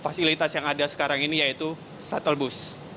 fasilitas yang ada sekarang ini yaitu shuttle bus